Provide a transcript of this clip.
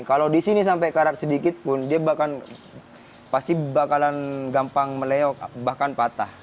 kalau di sini sampai karat sedikit pun dia bahkan pasti bakalan gampang meleok bahkan patah